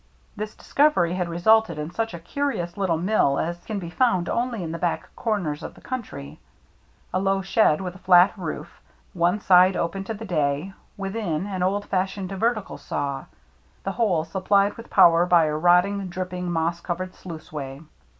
This discovery had resulted in such a curi ous little mill as can be found only in the back corners of the country, — a low shed with a flat roof; one side open to the day; within, an old fashioned vertical saw ; the whole supplied with power by a rotting, drip ping, moss covered sluiceway.